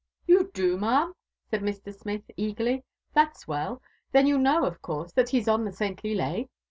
•' You do, ma'am?" said Mr. Smith eagerly : that's well. Then you know, of course, that he's on the saintly lay?